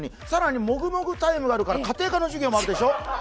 更にもぐもぐタイムがあるから家庭科の授業もあるでしょう